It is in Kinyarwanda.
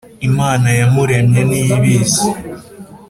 Imana yamuremye niyo ibizi